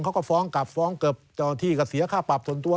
เขาก็ฟ้องกลับฟ้องเกือบเจ้าที่ก็เสียค่าปรับส่วนตัว